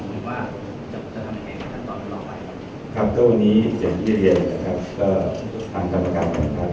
ไปทำงานการตรวจสอบนะครับซึ่งเรารู้ว่าทั้งหมดเนี่ยเราจะทำอย่างตรงใสนะครับ